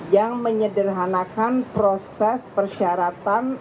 yang menyederhanakan proses persyaratan